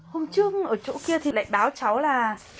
hôm trước ở chỗ kia thì lại báo cháu là